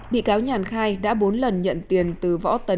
bị cáo nhàn khai đã bốn lần nhận tiền từ võ tấn